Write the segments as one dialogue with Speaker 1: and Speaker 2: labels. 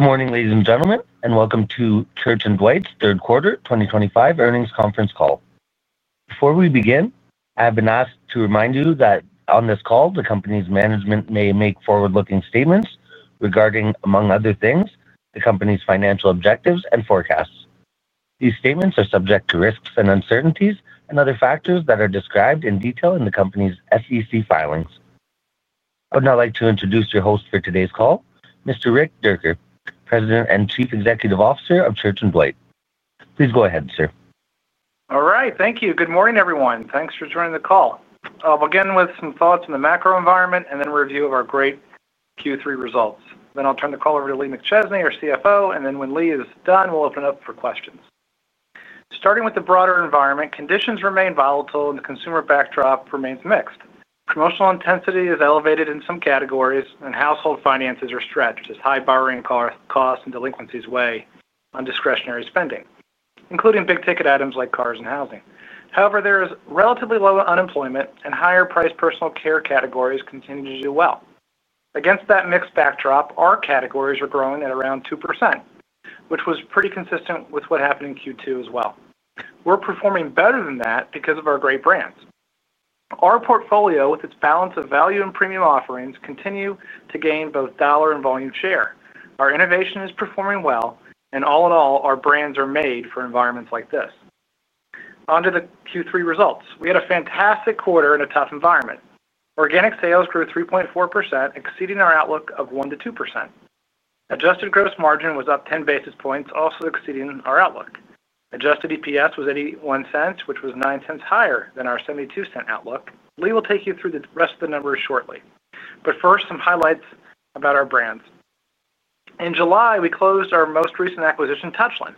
Speaker 1: Good morning, ladies and gentlemen, and welcome to Church & Dwight's third quarter 2025 earnings conference call. Before we begin, I've been asked to remind you that on this call, the company's management may make forward-looking statements regarding, among other things, the company's financial objectives and forecasts. These statements are subject to risks and uncertainties and other factors that are described in detail in the company's SEC filings. I would now like to introduce your host for today's call, Mr. Rick Dierker, President and Chief Executive Officer of Church & Dwight. Please go ahead, sir.
Speaker 2: All right. Thank you. Good morning, everyone. Thanks for joining the call. I'll begin with some thoughts on the macro environment and then review of our great Q3 results. Then I'll turn the call over to Lee McChesney, our CFO, and then when Lee is done, we'll open up for questions. Starting with the broader environment, conditions remain volatile and the consumer backdrop remains mixed. Promotional intensity is elevated in some categories, and household finances are stretched as high borrowing costs and delinquencies weigh on discretionary spending, including big-ticket items like cars and housing. However, there is relatively low unemployment, and higher-priced personal care categories continue to do well. Against that mixed backdrop, our categories are growing at around 2%, which was pretty consistent with what happened in Q2 as well. We're performing better than that because of our great brands. Our portfolio, with its balance of value and premium offerings, continues to gain both dollar and volume share. Our innovation is performing well, and all in all, our brands are made for environments like this. Onto the Q3 results. We had a fantastic quarter in a tough environment. Organic sales grew 3.4%, exceeding our outlook of 1% to 2%. Adjusted gross margin was up 10 basis points, also exceeding our outlook. Adjusted EPS was $0.81, which was $0.09 higher than our $0.72 outlook. Lee will take you through the rest of the numbers shortly. First, some highlights about our brands. In July, we closed our most recent acquisition, Touchland.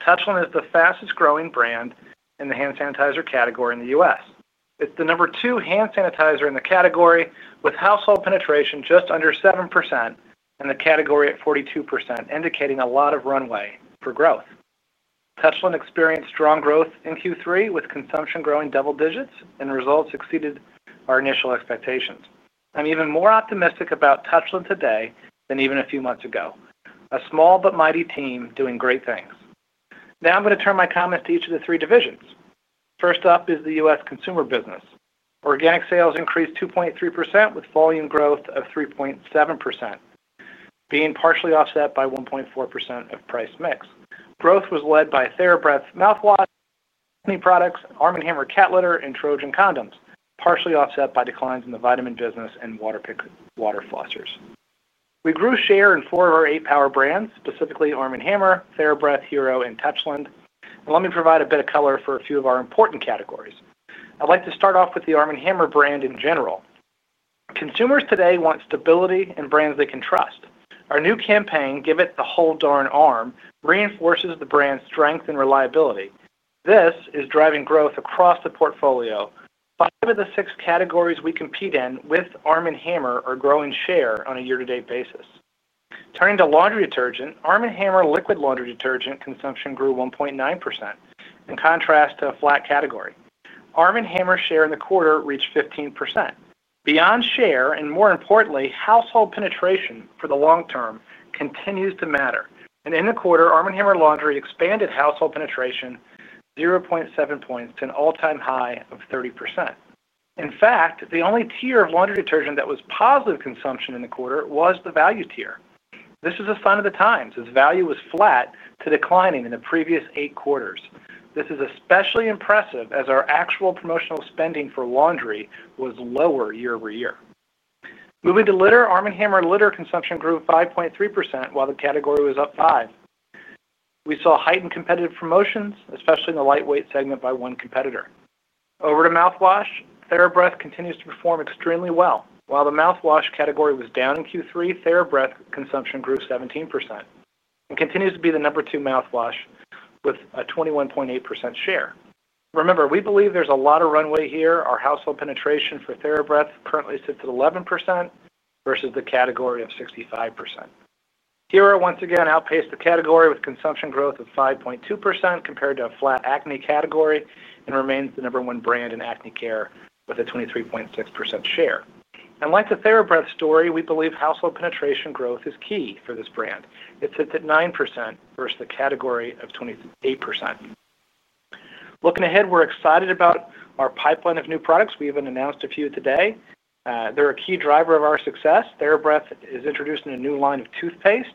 Speaker 2: Touchland is the fastest-growing brand in the hand sanitizer category in the U.S. It's the number two hand sanitizer in the category, with household penetration just under 7% and the category at 42%, indicating a lot of runway for growth. Touchland experienced strong growth in Q3, with consumption growing double digits, and results exceeded our initial expectations. I'm even more optimistic about Touchland today than even a few months ago. A small but mighty team doing great things. Now I'm going to turn my comments to each of the three divisions. First up is the U.S. consumer business. Organic sales increased 2.3%, with volume growth of 3.7%, being partially offset by 1.4% of price mix. Growth was led by TheraBreath mouthwash, Arm & Hammer cat litter, and Trojan condoms, partially offset by declines in the vitamin business and Waterpik water flossers. We grew share in four of our eight power brands, specifically Arm & Hammer, TheraBreath, Hero, and Touchland. Let me provide a bit of color for a few of our important categories. I'd like to start off with the Arm & Hammer brand in general. Consumers today want stability and brands they can trust. Our new campaign, "Give It the Whole Darn Arm," reinforces the brand's strength and reliability. This is driving growth across the portfolio. Five of the six categories we compete in with Arm & Hammer are growing share on a year-to-date basis. Turning to laundry detergent, Arm & Hammer liquid laundry detergent consumption grew 1.9%, in contrast to a flat category. Arm & Hammer's share in the quarter reached 15%. Beyond share, and more importantly, household penetration for the long term continues to matter. In the quarter, Arm & Hammer laundry expanded household penetration 0.7 points to an all-time high of 30%. In fact, the only tier of laundry detergent that was positive consumption in the quarter was the value tier. This is a sign of the times, as value was flat to declining in the previous eight quarters. This is especially impressive as our actual promotional spending for laundry was lower year-over-year. Moving to litter, Arm & Hammer litter consumption grew 5.3% while the category was up 5%. We saw heightened competitive promotions, especially in the lightweight segment, by one competitor. Over to mouthwash, TheraBreath continues to perform extremely well. While the mouthwash category was down in Q3, TheraBreath consumption grew 17% and continues to be the number two mouthwash with a 21.8% share. We believe there's a lot of runway here. Our household penetration for TheraBreath currently sits at 11% versus the category at 65%. Hero, once again, outpaced the category with consumption growth of 5.2% compared to a flat acne category and remains the number one brand in acne care with a 23.6% share. Like the TheraBreath story, we believe household penetration growth is key for this brand. It sits at 9% versus the category at 28%. Looking ahead, we're excited about our pipeline of new products. We even announced a few today. They're a key driver of our success. TheraBreath is introducing a new line of toothpaste.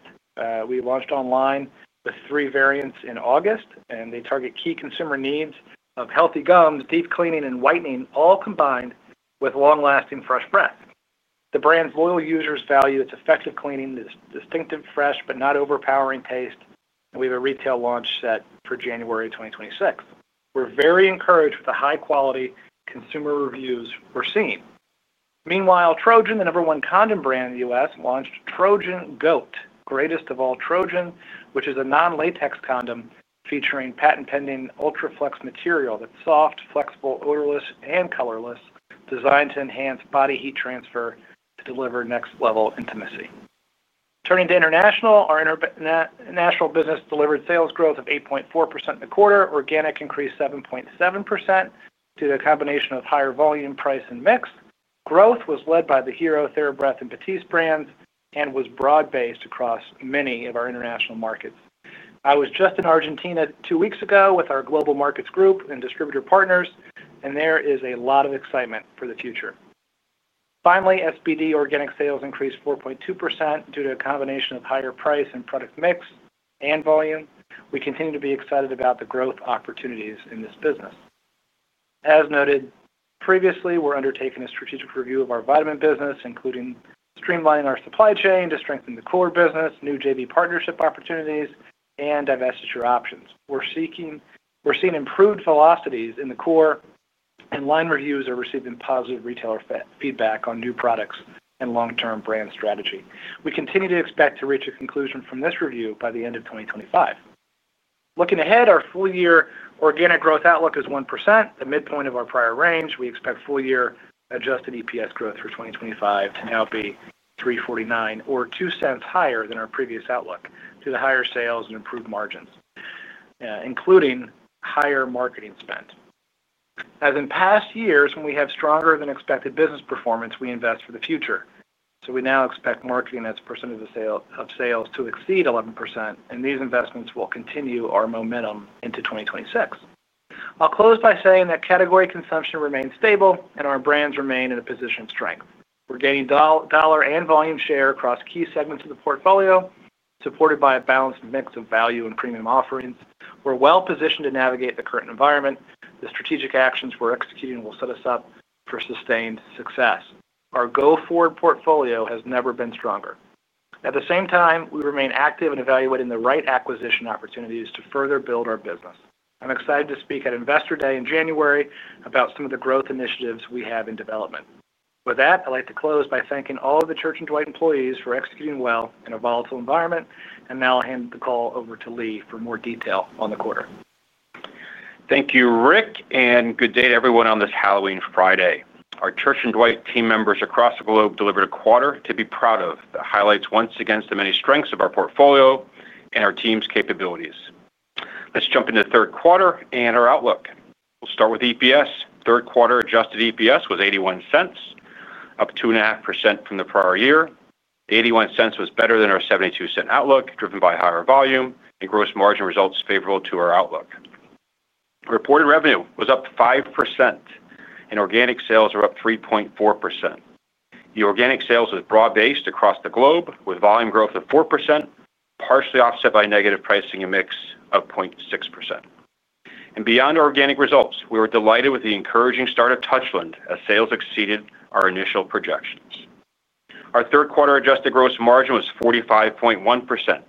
Speaker 2: We launched online with three variants in August, and they target key consumer needs of healthy gums, deep cleaning, and whitening, all combined with long-lasting fresh breath. The brand's loyal users value its effective cleaning, its distinctive fresh but not overpowering taste, and we have a retail launch set for January 2026. We're very encouraged with the high-quality consumer reviews we're seeing. Meanwhile, Trojan, the number one condom brand in the U.S., launched Trojan GOAT, greatest of all Trojan, which is a non-latex condom featuring patent-pending ultra-flex material that's soft, flexible, odorless, and colorless, designed to enhance body heat transfer to deliver next-level intimacy. Turning to international, our international business delivered sales growth of 8.4% in the quarter. Organic increased 7.7% due to a combination of higher volume, price, and mix. Growth was led by the Hero, TheraBreath, and Baristebrands and was broad-based across many of our international markets. I was just in Argentina two weeks ago with our global markets group and distributor partners, and there is a lot of excitement for the future. Finally, SBD organic sales increased 4.2% due to a combination of higher price and product mix and volume. We continue to be excited about the growth opportunities in this business. As noted previously, we're undertaking a strategic review of our vitamin business, including streamlining our supply chain to strengthen the core business, new JV partnership opportunities, and divestiture options. We're seeing improved velocities in the core, and line reviews are receiving positive retailer feedback on new products and long-term brand strategy. We continue to expect to reach a conclusion from this review by the end of 2025. Looking ahead, our full-year organic growth outlook is 1%, the midpoint of our prior range. We expect full-year adjusted EPS growth for 2025 to now be $3.49, or $0.02 higher than our previous outlook due to higher sales and improved margins, including higher marketing spend. As in past years, when we have stronger-than-expected business performance, we invest for the future. We now expect marketing as a percentage of sales to exceed 11%, and these investments will continue our momentum into 2026. I'll close by saying that category consumption remains stable, and our brands remain in a position of strength. We're gaining dollar and volume share across key segments of the portfolio, supported by a balanced mix of value and premium offerings. We're well-positioned to navigate the current environment. The strategic actions we're executing will set us up for sustained success. Our go-forward portfolio has never been stronger. At the same time, we remain active in evaluating the right acquisition opportunities to further build our business. I'm excited to speak at Investor Day in January about some of the growth initiatives we have in development. With that, I'd like to close by thanking all of the Church & Dwight employees for executing well in a volatile environment. I will hand the call over to Lee for more detail on the quarter.
Speaker 3: Thank you, Rick, and good day to everyone on this Halloween Friday. Our Church & Dwight team members across the globe delivered a quarter to be proud of that highlights once again the many strengths of our portfolio and our team's capabilities. Let's jump into third quarter and our outlook. We'll start with EPS. Third quarter adjusted EPS was $0.81, up 2.5% from the prior year. The $0.81 was better than our $0.72 outlook, driven by higher volume and gross margin results favorable to our outlook. Reported revenue was up 5%, and organic sales were up 3.4%. The organic sales was broad-based across the globe, with volume growth of 4%, partially offset by negative pricing and mix of 0.6%. Beyond organic results, we were delighted with the encouraging start of Touchland as sales exceeded our initial projections. Our third quarter adjusted gross margin was 45.1%,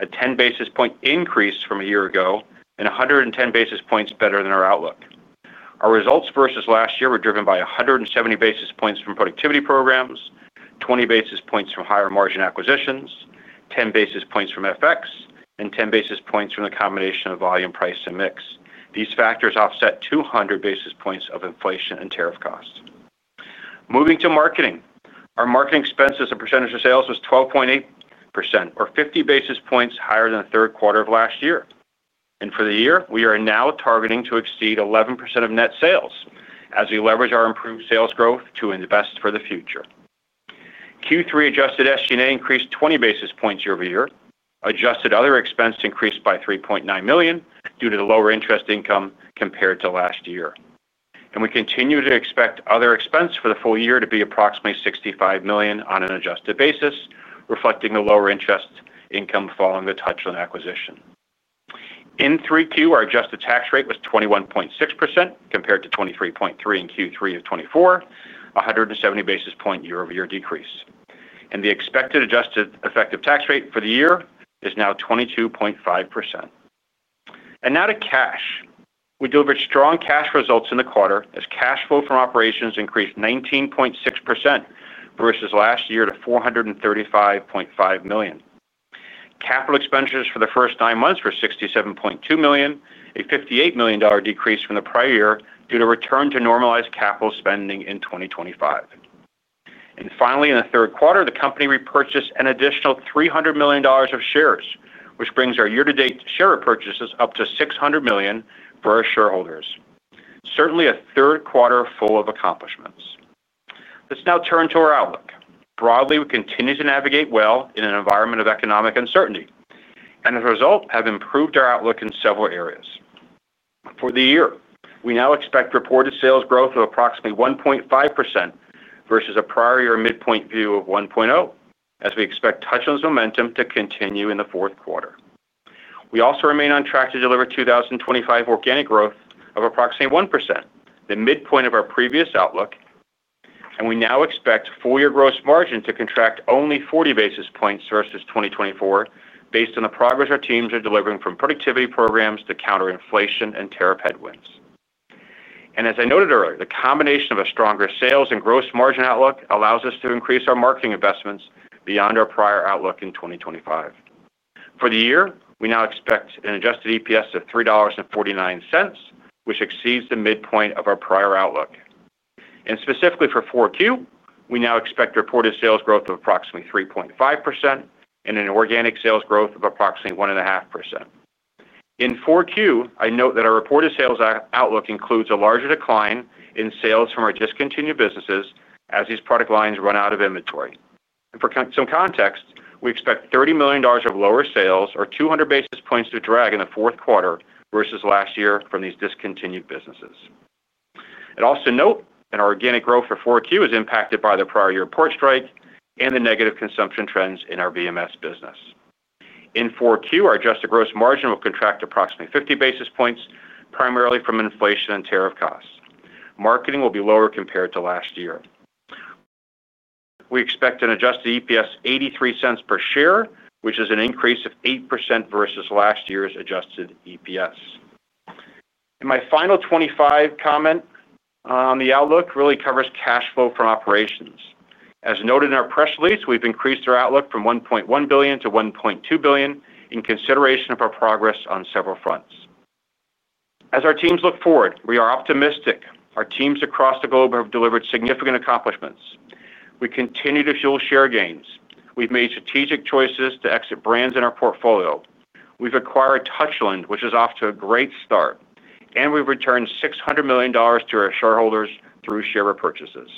Speaker 3: a 10 basis point increase from a year ago and 110 basis points better than our outlook. Our results versus last year were driven by 170 basis points from productivity programs, 20 basis points from higher margin acquisitions, 10 basis points from FX, and 10 basis points from the combination of volume, price, and mix. These factors offset 200 basis points of inflation and tariff costs. Moving to marketing, our marketing expenses as a percentage of sales was 12.8%, or 50 basis points higher than the third quarter of last year. For the year, we are now targeting to exceed 11% of net sales as we leverage our improved sales growth to invest for the future. Q3 adjusted SG&A increased 20 basis points year-over-year. Adjusted other expense increased by $3.9 million due to the lower interest income compared to last year. We continue to expect other expense for the full year to be approximately $65 million on an adjusted basis, reflecting the lower interest income following the Touchland acquisition. In Q3, our adjusted tax rate was 21.6% compared to 23.3% in Q3 of 2024, a 170 basis point year-over-year decrease. The expected adjusted effective tax rate for the year is now 22.5%. Now to cash. We delivered strong cash results in the quarter as cash flow from operations increased 19.6% versus last year to $435.5 million. Capital expenditures for the first nine months were $67.2 million, a $58 million decrease from the prior year due to return to normalized capital spending in 2025. Finally, in the third quarter, the company repurchased an additional $300 million of shares, which brings our year-to-date share purchases up to $600 million for our shareholders. Certainly, a third quarter full of accomplishments. Let's now turn to our outlook. Broadly, we continue to navigate well in an environment of economic uncertainty. As a result, we have improved our outlook in several areas. For the year, we now expect reported sales growth of approximately 1.5% versus a prior year midpoint view of 1.0%, as we expect Touchland's momentum to continue in the fourth quarter. We also remain on track to deliver 2025 organic growth of approximately 1%, the midpoint of our previous outlook. We now expect full-year gross margin to contract only 40 basis points versus 2024, based on the progress our teams are delivering from productivity programs to counter inflation and tariff headwinds. As I noted earlier, the combination of a stronger sales and gross margin outlook allows us to increase our marketing investments beyond our prior outlook in 2025. For the year, we now expect an adjusted EPS of $3.49, which exceeds the midpoint of our prior outlook. Specifically for Q4, we now expect reported sales growth of approximately 3.5% and an organic sales growth of approximately 1.5%. In Q4, our reported sales outlook includes a larger decline in sales from our discontinued businesses as these product lines run out of inventory. For some context, we expect $30 million of lower sales, or 200 basis points of drag in the fourth quarter versus last year from these discontinued businesses. Our organic growth for Q4 is impacted by the prior year port strike and the negative consumption trends in our vitamin business. In Q4, our adjusted gross margin will contract approximately 50 basis points, primarily from inflation and tariff costs. Marketing will be lower compared to last year. We expect an adjusted EPS of $0.83 per share, which is an increase of 8% versus last year's adjusted EPS. My final comment on the outlook really covers cash flow from operations. As noted in our press release, we've increased our outlook from $1.1 billion to $1.2 billion in consideration of our progress on several fronts. As our teams look forward, we are optimistic. Our teams across the globe have delivered significant accomplishments. We continue to fuel share gains. We've made strategic choices to exit brands in our portfolio. We've acquired Touchland, which is off to a great start. We've returned $600 million to our shareholders through share repurchases.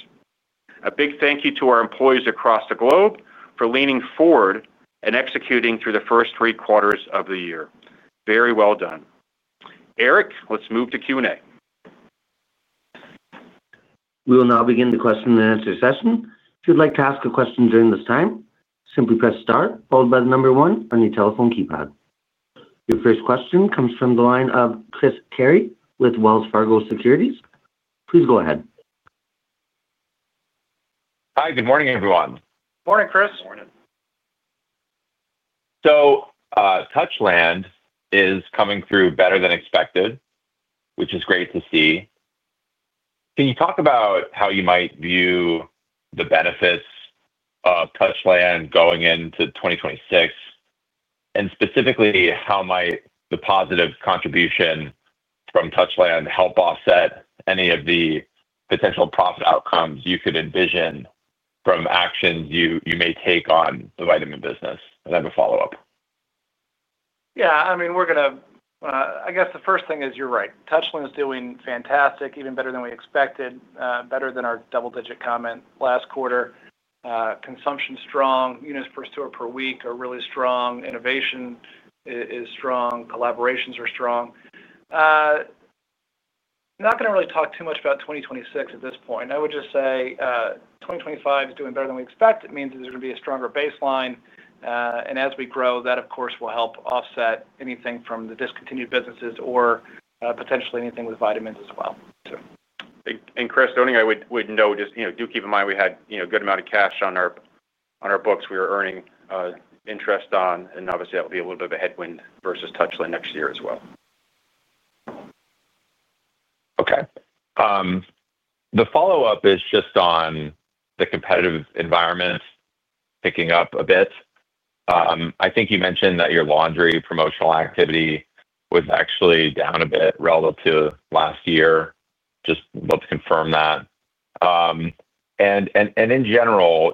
Speaker 3: A big thank you to our employees across the globe for leaning forward and executing through the first three quarters of the year. Very well done. Eric, let's move to Q&A.
Speaker 1: We will now begin the question and answer session. If you'd like to ask a question during this time, simply press Start, followed by the number one on your telephone keypad. Your first question comes from the line of Chris Carey with Wells Fargo Securities. Please go ahead.
Speaker 4: Hi, good morning, everyone.
Speaker 2: Morning, Chris.
Speaker 4: Morning. Touchland is coming through better than expected, which is great to see. Can you talk about how you might view the benefits of Touchland going into 2026? Specifically, how might the positive contribution from Touchland help offset any of the potential profit outcomes you could envision from actions you may take on the vitamin business? I have a follow-up.
Speaker 2: Yeah, I mean, we're going to—I guess the first thing is you're right. Touchland is doing fantastic, even better than we expected, better than our double-digit comment last quarter. Consumption is strong. Units per store per week are really strong. Innovation is strong. Collaborations are strong. I'm not going to really talk too much about 2026 at this point. I would just say 2025 is doing better than we expect. It means there's going to be a stronger baseline. As we grow, that, of course, will help offset anything from the discontinued businesses or potentially anything with vitamins as well.
Speaker 3: Chris, the only thing I would note is do keep in mind we had a good amount of cash on our books we were earning interest on. Obviously, that would be a little bit of a headwind versus Touchland next year as well.
Speaker 4: The follow-up is just on the competitive environment picking up a bit. I think you mentioned that your laundry promotional activity was actually down a bit relative to last year. Just to confirm that. In general,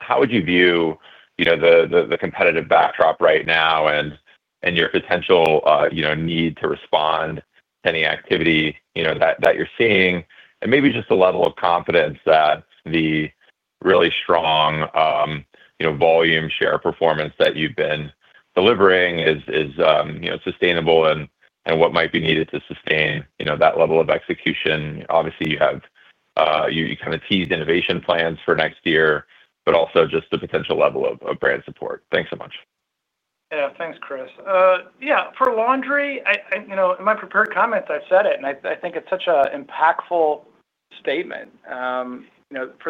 Speaker 4: how would you view the competitive backdrop right now and your potential need to respond to any activity that you're seeing? Maybe just the level of confidence that the really strong volume share performance that you've been delivering is sustainable and what might be needed to sustain that level of execution. Obviously, you kind of teased innovation plans for next year, but also just the potential level of brand support. Thanks so much.
Speaker 2: Yeah, thanks, Chris. For laundry, in my prepared comments, I've said it, and I think it's such an impactful statement. For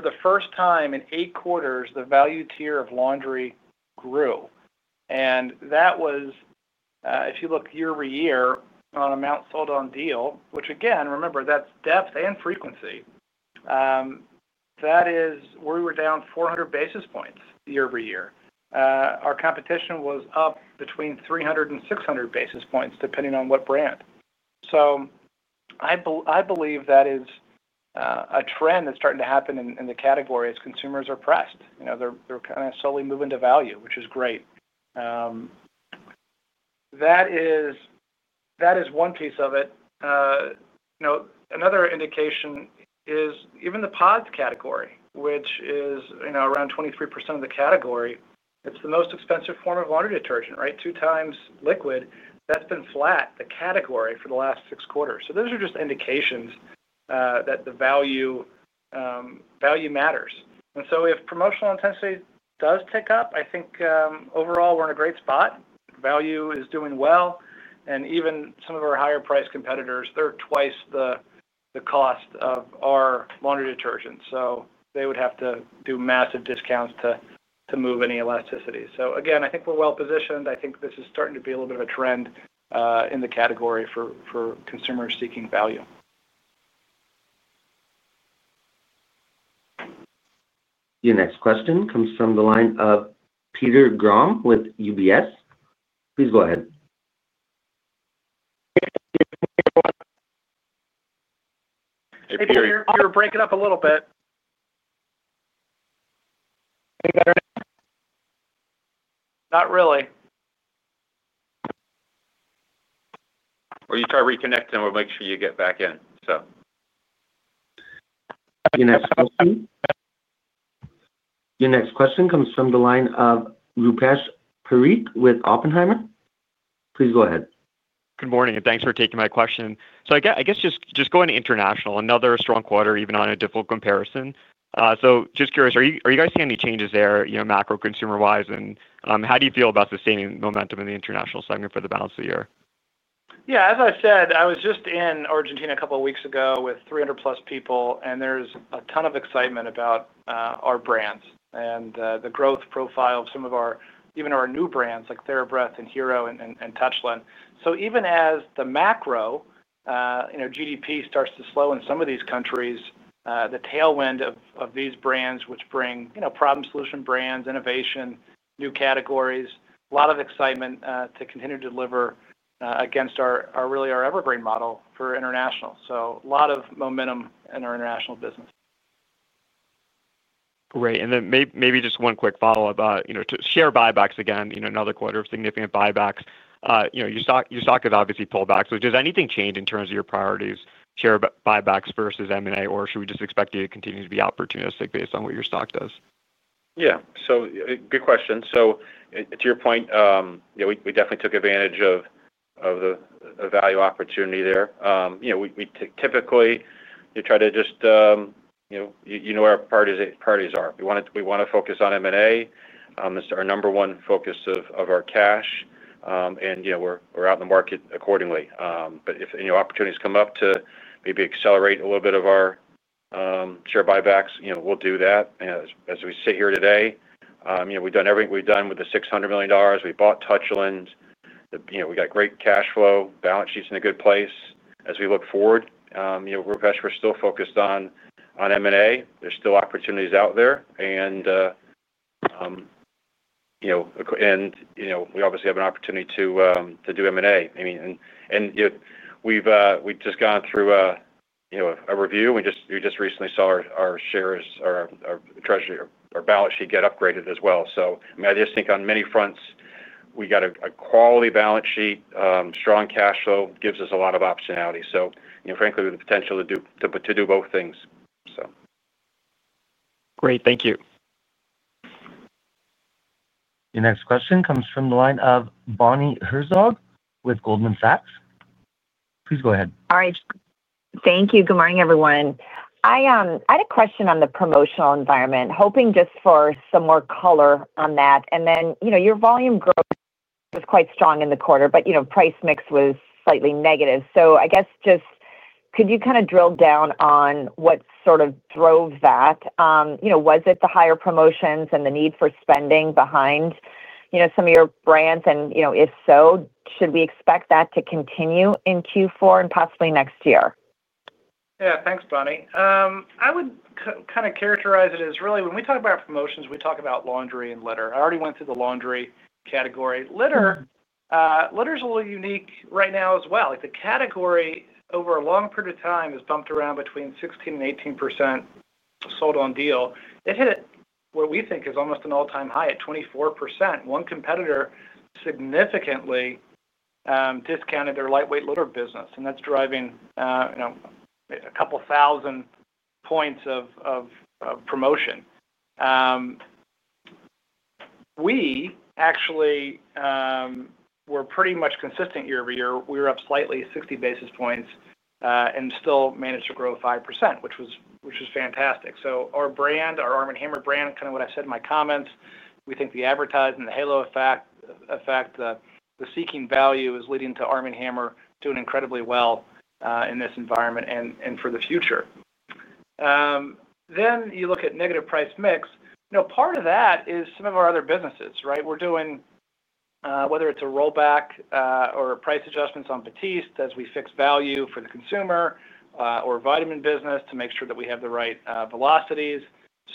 Speaker 2: the first time in eight quarters, the value tier of laundry grew. If you look year-over-year on amount sold on deal, which again, remember, that's depth and frequency, that is where we were down 400 basis points year-over-year. Our competition was up between 300 basis points and 600 basis points depending on what brand. I believe that is a trend that's starting to happen in the category as consumers are pressed. They're kind of slowly moving to value, which is great. That is one piece of it. Another indication is even the pods category, which is around 23% of the category. It's the most expensive form of laundry detergent, right? Two times liquid. That's been flat, the category, for the last six quarters. Those are just indications that the value matters. If promotional intensity does tick up, I think overall we're in a great spot. Value is doing well. Even some of our higher-priced competitors, they're twice the cost of our laundry detergent. They would have to do massive discounts to move any elasticity. Again, I think we're well-positioned. I think this is starting to be a little bit of a trend in the category for consumers seeking value.
Speaker 1: Your next question comes from the line of Peter Grom with UBS. Please go ahead.
Speaker 2: Peter, you're breaking up a little bit. Not really.
Speaker 3: You try reconnecting, and we'll make sure you get back in.
Speaker 1: Your next question comes from the line of Rupesh Parikh with Oppenheimer. Please go ahead.
Speaker 5: Good morning, and thanks for taking my question. I guess just going to international, another strong quarter, even on a difficult comparison. Just curious, are you guys seeing any changes there, macro-consumer-wise? How do you feel about sustaining momentum in the international segment for the balance of the year?
Speaker 2: Yeah, as I said, I was just in Argentina a couple of weeks ago with 300+ people, and there's a ton of excitement about our brands and the growth profile of even our new brands like TheraBreath and Hero and Touchland. Even as the macro GDP starts to slow in some of these countries, the tailwind of these brands, which bring problem-solution brands, innovation, new categories, a lot of excitement to continue to deliver against really our evergreen model for international. There's a lot of momentum in our international business.
Speaker 5: Great. Maybe just one quick follow-up. To share buybacks again, another quarter of significant buybacks. You talked about, obviously, pullbacks. Does anything change in terms of your priorities, share buybacks versus M&A, or should we just expect you to continue to be opportunistic based on what your stock does?
Speaker 3: Yeah. Good question. To your point, we definitely took advantage of the value opportunity there. We typically try to just, you know, where our priorities are, we want to focus on M&A. It's our number one focus of our cash, and we're out in the market accordingly. If any opportunities come up to maybe accelerate a little bit of our share buybacks, we'll do that. As we sit here today, we've done everything we've done with the $600 million. We bought Touchland. We got great cash flow. Balance sheet's in a good place. As we look forward, Rupesh, we're still focused on M&A. There are still opportunities out there. We obviously have an opportunity to do M&A. We just went through a review. We just recently saw our shares, our treasury, our balance sheet get upgraded as well. I just think on many fronts, we got a quality balance sheet, strong cash flow, gives us a lot of optionality. Frankly, we have the potential to do both things.
Speaker 5: Great. Thank you.
Speaker 1: Your next question comes from the line of Bonnie Herzog with Goldman Sachs. Please go ahead.
Speaker 6: Hi. Thank you. Good morning, everyone. I had a question on the promotional environment, hoping just for some more color on that. Your volume growth was quite strong in the quarter, but price mix was slightly negative. Could you kind of drill down on what sort of drove that? Was it the higher promotions and the need for spending behind some of your brands? If so, should we expect that to continue in Q4 and possibly next year?
Speaker 2: Yeah, thanks, Bonnie. I would kind of characterize it as really when we talk about promotions, we talk about laundry and litter. I already went through the laundry category. Litter is a little unique right now as well. The category, over a long period of time, has bumped around between 16% and 18% sold on deal. It hit what we think is almost an all-time high at 24%. One competitor significantly discounted their lightweight litter business, and that's driving a couple thousand points of promotion. We actually were pretty much consistent year-over-year. We were up slightly, 60 basis points, and still managed to grow 5%, which was fantastic. Our brand, our Arm & Hammer brand, kind of what I said in my comments, we think the advertising and the halo effect, the seeking value is leading to Arm & Hammer doing incredibly well in this environment and for the future. You look at negative price mix. Part of that is some of our other businesses, right? We're doing, whether it's a rollback or price adjustments on Batiste as we fix value for the consumer or vitamin business to make sure that we have the right velocities.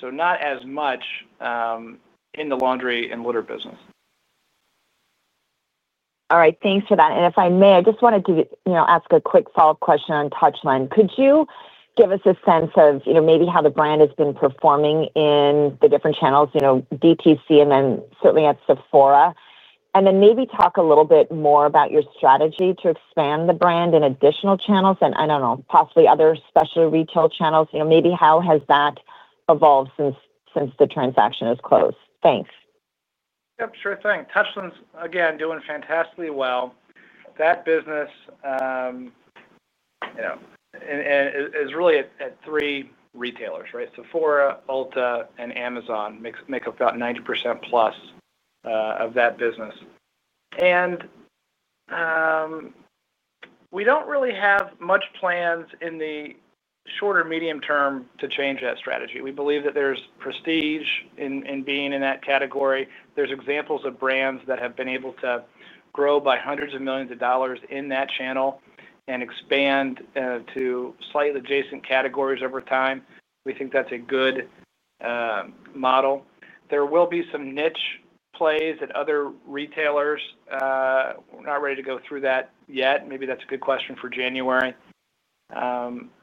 Speaker 2: Not as much in the laundry and litter business.
Speaker 6: All right. Thanks for that. If I may, I just wanted to ask a quick follow-up question on Touchland. Could you give us a sense of maybe how the brand has been performing in the different channels, DTC, and then certainly at Sephora, and then maybe talk a little bit more about your strategy to expand the brand in additional channels and, I don't know, possibly other specialty retail channels? Maybe how has that evolved since the transaction is closed? Thanks.
Speaker 2: Yep, sure thing. Touchland's, again, doing fantastically well. That business is really at three retailers, right? Sephora, Ulta, and Amazon make about 90% plus of that business. We don't really have much plans in the short or medium term to change that strategy. We believe that there's prestige in being in that category. There are examples of brands that have been able to grow by hundreds of millions of dollars in that channel and expand to slightly adjacent categories over time. We think that's a good model. There will be some niche plays at other retailers. We're not ready to go through that yet. Maybe that's a good question for January.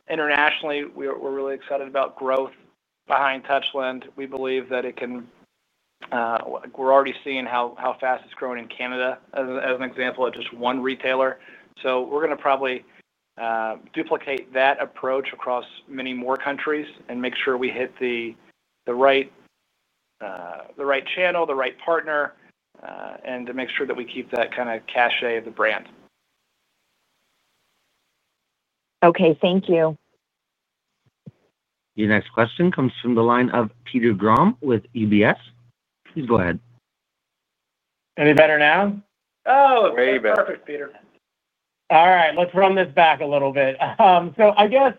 Speaker 2: Internationally, we're really excited about growth behind Touchland. We believe that it can. We're already seeing how fast it's growing in Canada as an example at just one retailer. We're going to probably duplicate that approach across many more countries and make sure we hit the right channel, the right partner, and to make sure that we keep that kind of cachet of the brand.
Speaker 6: Okay. Thank you.
Speaker 1: Your next question comes from the line of Peter Grom with UBS. Please go ahead.
Speaker 2: Any better now?
Speaker 3: Oh, perfect, Peter.
Speaker 7: All right. Let's run this back a little bit. I guess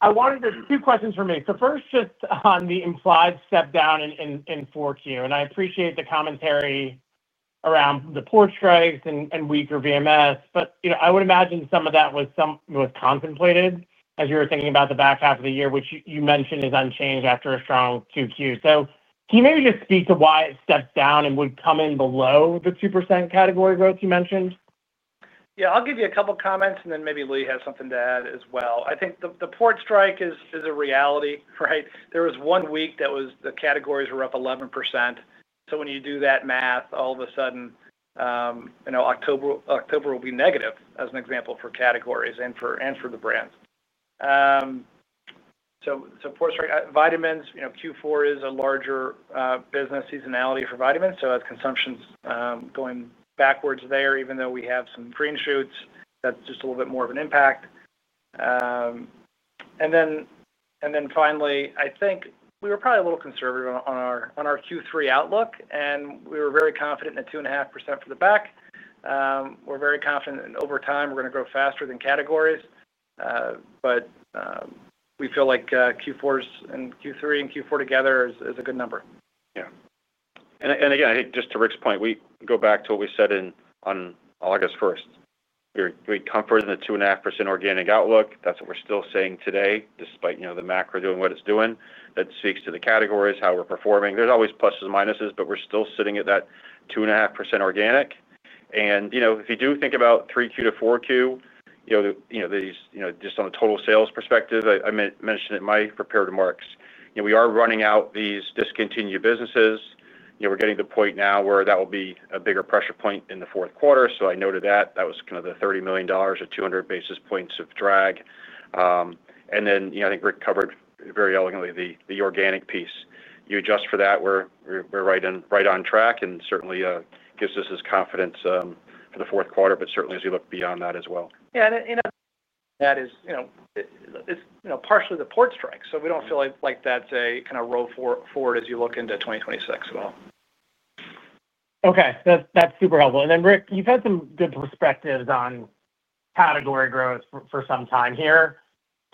Speaker 7: I wanted to—two questions for me. First, just on the implied step down in 4Q. I appreciate the commentary around the poor strikes and weaker VMS, but I would imagine some of that was contemplated as you were thinking about the back half of the year, which you mentioned is unchanged after a strong 2Q. Can you maybe just speak to why it stepped down and would come in below the 2% category growth you mentioned?
Speaker 2: Yeah. I'll give you a couple of comments, and then maybe Lee has something to add as well. I think the poor strike is a reality, right? There was one week that the categories were up 11%. When you do that math, all of a sudden October will be negative, as an example, for categories and for the brands. Poor strike, vitamins, Q4 is a larger business seasonality for vitamins. As consumption's going backwards there, even though we have some green shoots, that's just a little bit more of an impact. Finally, I think we were probably a little conservative on our Q3 outlook, and we were very confident in a 2.5% for the back. We're very confident that over time, we're going to grow faster than categories. We feel like Q4 and Q4 together is a good number.
Speaker 3: Yeah. Again, I think just to Rick's point, we go back to what we said on August 1. We conferred on the 2.5% organic outlook. That's what we're still saying today, despite the macro doing what it's doing. That speaks to the categories, how we're performing. There's always pluses and minuses, but we're still sitting at that 2.5% organic. If you do think about 3Q to 4Q, just on a total sales perspective, I mentioned it in my prepared remarks. We are running out these discontinued businesses. We're getting to the point now where that will be a bigger pressure point in the fourth quarter. I noted that. That was kind of the $30 million or 200 basis points of drag. I think Rick covered very elegantly the organic piece. You adjust for that, we're right on track and certainly gives us this confidence for the fourth quarter, but certainly as we look beyond that as well.
Speaker 2: That is partially the poor strike. We don't feel like that's a kind of row forward as you look into 2026 as well.
Speaker 7: Okay. That's super helpful. Rick, you've had some good perspectives on category growth for some time here.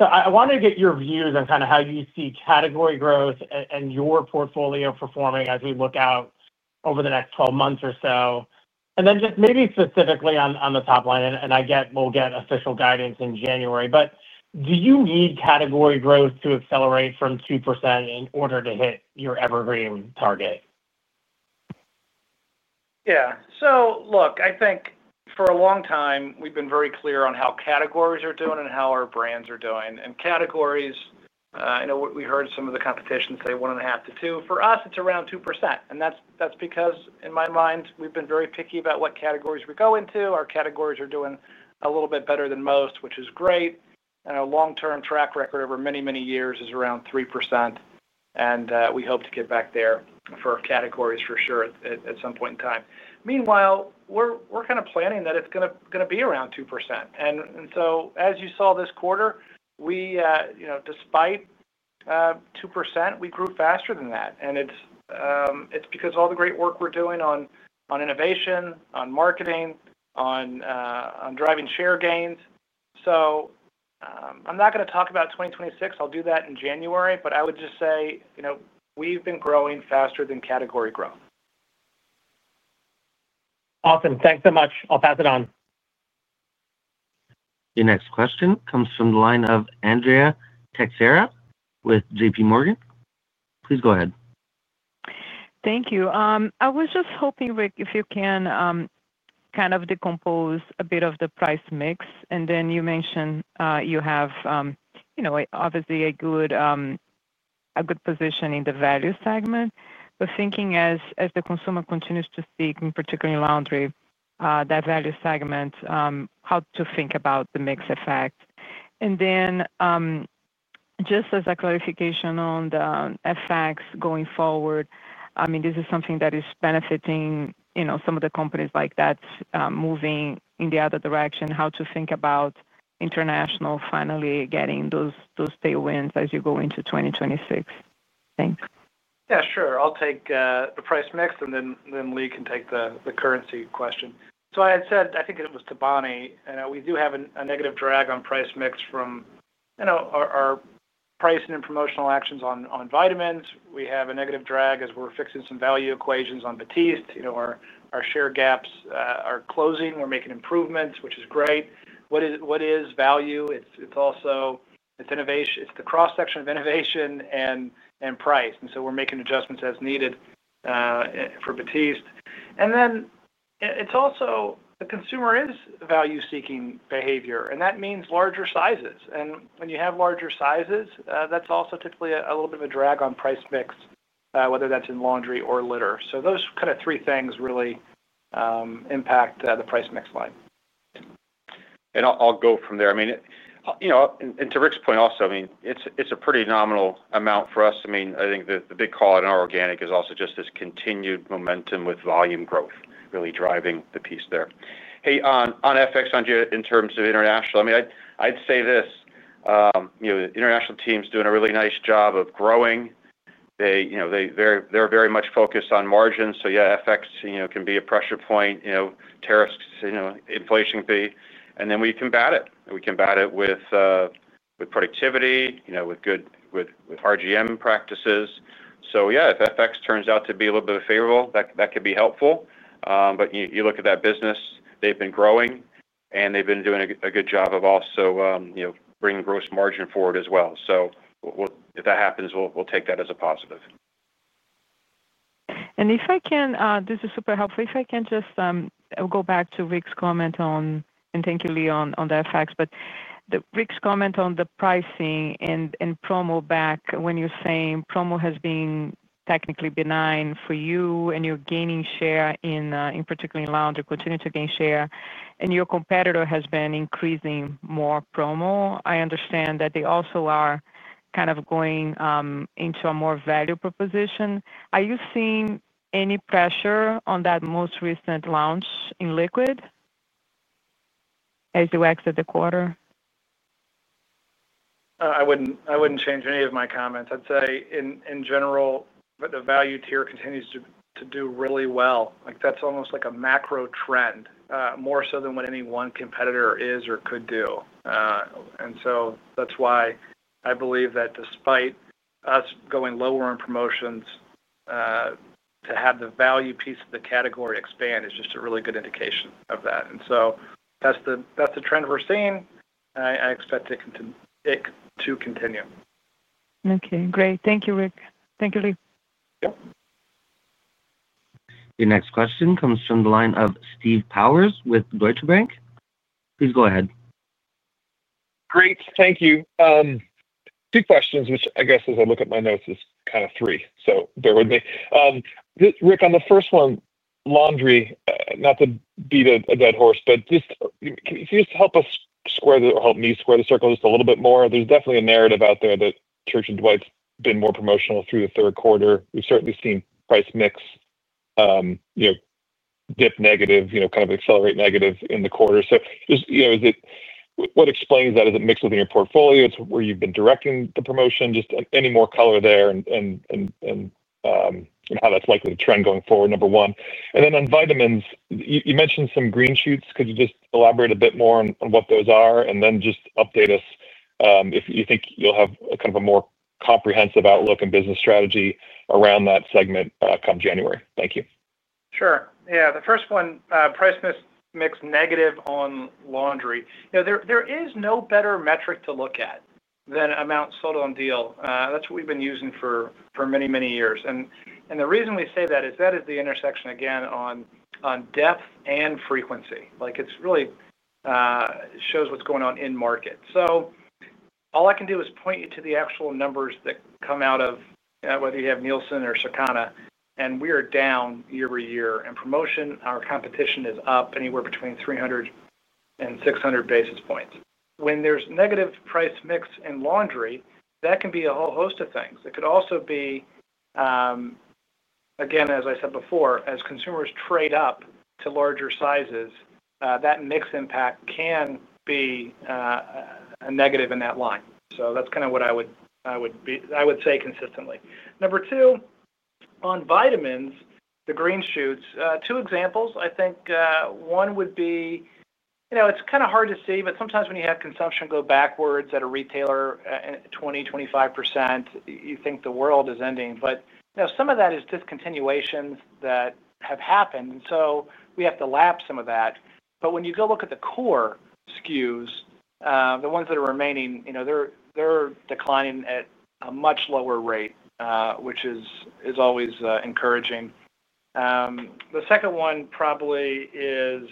Speaker 7: I wanted to get your views on how you see category growth and your portfolio performing as we look out over the next 12 months or so. Maybe specifically on the top line, and we'll get official guidance in January, but do you need category growth to accelerate from 2% in order to hit your evergreen target?
Speaker 2: Yeah. Look, I think for a long time, we've been very clear on how categories are doing and how our brands are doing. Categories, I know we heard some of the competition say 1.5% to 2%. For us, it's around 2%. That's because, in my mind, we've been very picky about what categories we go into. Our categories are doing a little bit better than most, which is great. Our long-term track record over many, many years is around 3%, and we hope to get back there for categories for sure at some point in time. Meanwhile, we're kind of planning that it's going to be around 2%. As you saw this quarter, despite 2%, we grew faster than that. It's because of all the great work we're doing on innovation, on marketing, on driving share gains. I'm not going to talk about 2026. I'll do that in January, but I would just say we've been growing faster than category growth. Awesome. Thanks so much. I'll pass it on.
Speaker 1: Your next question comes from the line of Andrea Teixeira with JPMorgan. Please go ahead.
Speaker 8: Thank you. I was just hoping, Rick, if you can kind of decompose a bit of the price mix. You mentioned you have obviously a good position in the value segment. Thinking as the consumer continues to seek, in particular laundry, that value segment, how to think about the mix effect. Just as a clarification on the effects going forward, this is something that is benefiting some of the companies like that moving in the other direction. How to think about international finally getting those tailwinds as you go into 2026. Thanks.
Speaker 2: Yeah, sure. I'll take the price mix, and then Lee can take the currency question. I had said, I think it was to Bonnie, we do have a negative drag on price mix from our pricing and promotional actions on vitamins. We have a negative drag as we're fixing some value equations on Batiste. Our share gaps are closing. We're making improvements, which is great. What is value? It's also the cross-section of innovation and price, and we're making adjustments as needed for Batiste. It's also the consumer's value-seeking behavior, and that means larger sizes. When you have larger sizes, that's also typically a little bit of a drag on price mix, whether that's in laundry or litter. Those kind of three things really impact the price mix line.
Speaker 3: I'll go from there. To Rick's point also, it's a pretty nominal amount for us. I think the big call in our organic is also just this continued momentum with volume growth really driving the piece there. On FX, Andrea, in terms of international, I'd say this. The international team's doing a really nice job of growing. They're very much focused on margins. FX can be a pressure point. Tariffs, inflation can be, and then we combat it. We combat it with productivity, with RGM practices. If FX turns out to be a little bit favorable, that could be helpful. You look at that business, they've been growing, and they've been doing a good job of also bringing gross margin forward as well. If that happens, we'll take that as a positive.
Speaker 8: This is super helpful. If I can just go back to Rick's comment, and thank you, Lee, on the effects, but Rick's comment on the pricing and promo back when you're saying promo has been technically benign for you and you're gaining share, particularly in laundry, continue to gain share, and your competitor has been increasing more promo. I understand that they also are kind of going into a more value proposition. Are you seeing any pressure on that most recent launch in liquid as you exit the quarter?
Speaker 2: I wouldn't change any of my comments. I'd say, in general, the value tier continues to do really well. That's almost like a macro trend, more so than what any one competitor is or could do. That's why I believe that despite us going lower in promotions, to have the value piece of the category expand is just a really good indication of that. That's the trend we're seeing. I expect it to continue.
Speaker 8: Okay. Great. Thank you, Rick. Thank you, Lee.
Speaker 2: Yep.
Speaker 1: Your next question comes from the line of Steve Powers with Deutsche Bank. Please go ahead.
Speaker 9: Great. Thank you. Two questions, which I guess, as I look at my notes, is kind of three. So bear with me. Rick, on the first one, laundry, not to beat a dead horse, but can you just help us square the or help me square the circle just a little bit more? There's definitely a narrative out there that Church & Dwight's been more promotional through the third quarter. We've certainly seen price mix dip negative, kind of accelerate negative in the quarter. What explains that? Is it mix within your portfolio? It's where you've been directing the promotion? Any more color there and how that's likely to trend going forward, number one. On vitamins, you mentioned some green shoots. Could you just elaborate a bit more on what those are and then just update us if you think you'll have kind of a more comprehensive outlook and business strategy around that segment come January? Thank you.
Speaker 2: Sure. Yeah. The first one, price mix negative on laundry. There is no better metric to look at than amount sold on deal. That's what we've been using for many, many years. The reason we say that is that is the intersection, again, on depth and frequency. It really shows what's going on in market. All I can do is point you to the actual numbers that come out of whether you have Nielsen or Circana, and we are down year-over-year. In promotion, our competition is up anywhere between 300 basis points and 600 basis points. When there's negative price mix in laundry, that can be a whole host of things. It could also be, again, as I said before, as consumers trade up to larger sizes, that mixed impact can be a negative in that line. That's kind of what I would say consistently. Number two. On vitamins, the green shoots, two examples, I think one would be, it's kind of hard to see, but sometimes when you have consumption go backwards at a retailer at 20% to 25%, you think the world is ending. Some of that is discontinuations that have happened, and so we have to lapse some of that. When you go look at the core SKUs, the ones that are remaining, they're declining at a much lower rate, which is always encouraging. The second one probably is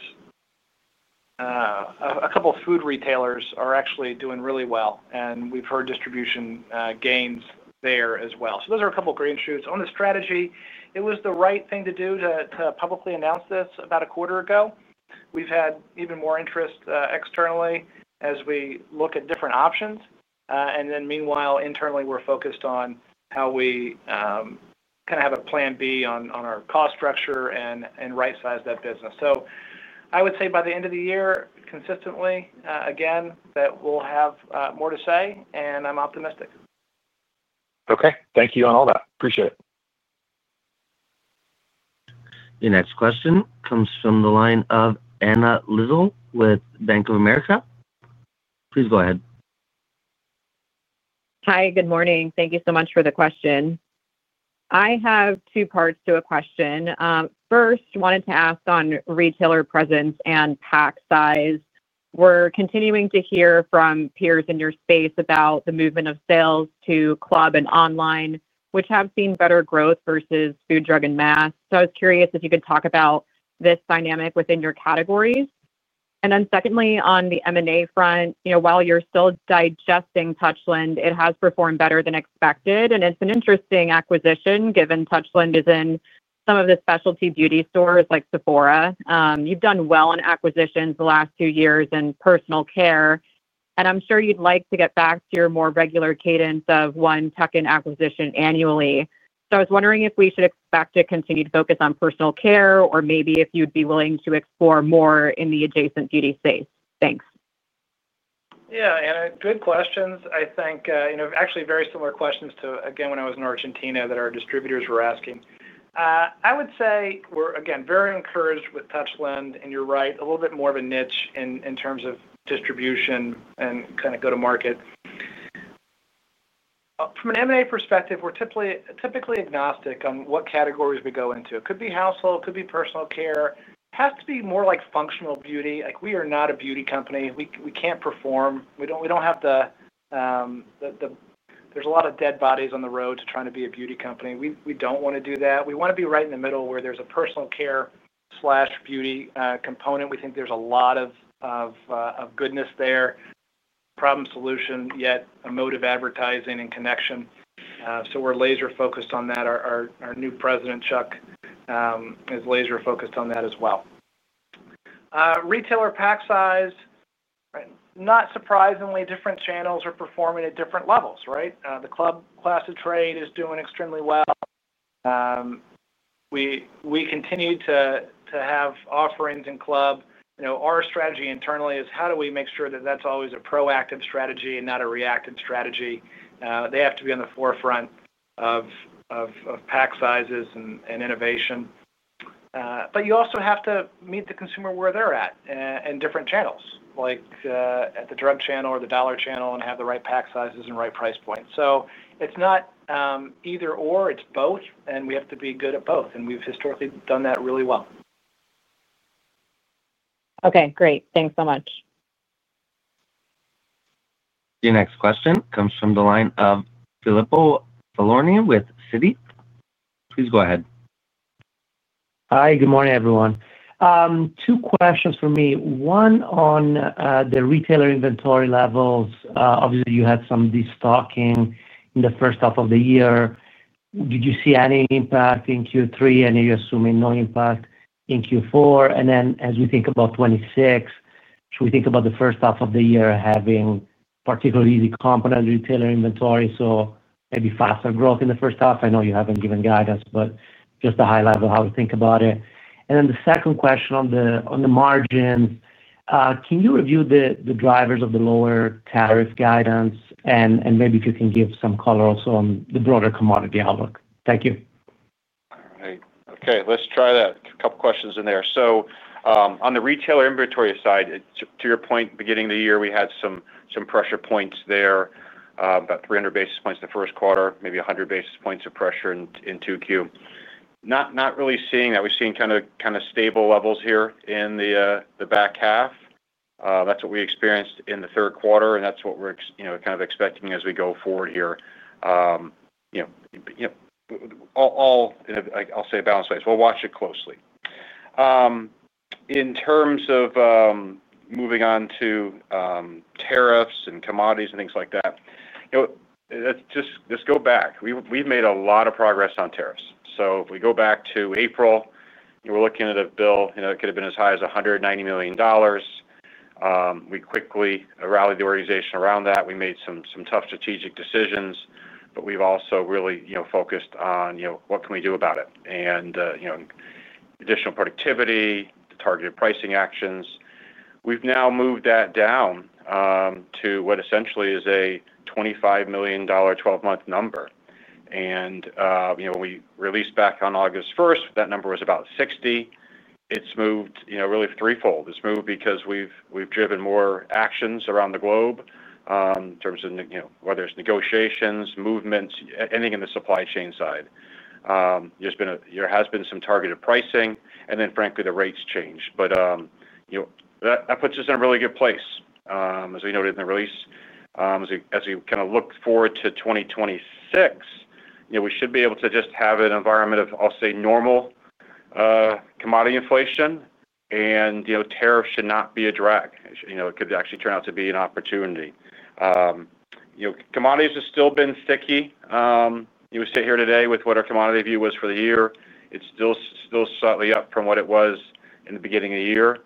Speaker 2: a couple of food retailers are actually doing really well, and we've heard distribution gains there as well. Those are a couple of green shoots. On the strategy, it was the right thing to do to publicly announce this about a quarter ago. We've had even more interest externally as we look at different options. Meanwhile, internally, we're focused on how we kind of have a plan B on our cost structure and right-size that business. I would say by the end of the year, consistently, again, that we'll have more to say, and I'm optimistic.
Speaker 9: Okay, thank you on all that. Appreciate it.
Speaker 1: Your next question comes from the line of Anna Lizzul with Bank of America. Please go ahead.
Speaker 10: Hi. Good morning. Thank you so much for the question. I have two parts to a question. First, wanted to ask on retailer presence and pack size. We're continuing to hear from peers in your space about the movement of sales to club and online, which have seen better growth versus food, drug, and mass. I was curious if you could talk about this dynamic within your categories. Secondly, on the M&A front, while you're still digesting Touchland, it has performed better than expected. It's an interesting acquisition given Touchland is in some of the specialty beauty stores like Sephora. You've done well in acquisitions the last two years in personal care. I'm sure you'd like to get back to your more regular cadence of one tuck-in acquisition annually. I was wondering if we should expect a continued focus on personal care or maybe if you'd be willing to explore more in the adjacent beauty space. Thanks.
Speaker 2: Yeah. Good questions. I think actually very similar questions to, again, when I was in Argentina that our distributors were asking. I would say we're, again, very encouraged with Touchland. You're right, a little bit more of a niche in terms of distribution and kind of go-to-market. From an M&A perspective, we're typically agnostic on what categories we go into. It could be household. It could be personal care. It has to be more like functional beauty. We are not a beauty company. We can't perform. We don't have the—there's a lot of dead bodies on the road to trying to be a beauty company. We don't want to do that. We want to be right in the middle where there's a personal care/beauty component. We think there's a lot of goodness there. Problem solution, yet emotive advertising and connection. We're laser-focused on that. Our new President, Chuck, is laser-focused on that as well. Retailer pack size, not surprisingly, different channels are performing at different levels, right? The club class of trade is doing extremely well. We continue to have offerings in club. Our strategy internally is how do we make sure that that's always a proactive strategy and not a reactive strategy. They have to be on the forefront of pack sizes and innovation. You also have to meet the consumer where they're at in different channels, like at the drug channel or the dollar channel, and have the right pack sizes and right price points. It's not either/or. It's both. We have to be good at both. We've historically done that really well.
Speaker 10: Okay. Great. Thanks so much.
Speaker 1: Your next question comes from the line of Filippo Falorni with Citi. Please go ahead.
Speaker 11: Hi. Good morning, everyone. Two questions for me. One on the retailer inventory levels. Obviously, you had some destocking in the first half of the year. Did you see any impact in Q3? Are you assuming no impact in Q4? As we think about 2026, should we think about the first half of the year having particularly the component retailer inventory, so maybe faster growth in the first half? I know you haven't given guidance, but just a high level of how we think about it. The second question on the margins. Can you review the drivers of the lower tariff guidance? Maybe if you can give some color also on the broader commodity outlook. Thank you.
Speaker 3: All right. Okay. Let's try that. A couple of questions in there. On the retailer inventory side, to your point, beginning of the year, we had some pressure points there, about 300 basis points the first quarter, maybe 100 basis points of pressure in 2Q. Not really seeing that. We've seen kind of stable levels here in the back half. That's what we experienced in the third quarter, and that's what we're kind of expecting as we go forward here, all in a, I'll say, balanced way. We'll watch it closely. In terms of moving on to tariffs and commodities and things like that, let's just go back. We've made a lot of progress on tariffs. If we go back to April, we're looking at a bill that could have been as high as $190 million. We quickly rallied the organization around that. We made some tough strategic decisions, but we've also really focused on what can we do about it. Additional productivity, targeted pricing actions. We've now moved that down to what essentially is a $25 million, 12-month number. When we released back on August 1, that number was about $60 million. It's moved really threefold. It's moved because we've driven more actions around the globe in terms of whether it's negotiations, movements, anything in the supply chain side. There has been some targeted pricing, and then, frankly, the rates changed. That puts us in a really good place, as we noted in the release. As we kind of look forward to 2026, we should be able to just have an environment of, I'll say, normal commodity inflation, and tariffs should not be a drag. It could actually turn out to be an opportunity. Commodities have still been sticky. We sit here today with what our commodity view was for the year. It's still slightly up from what it was in the beginning of the year.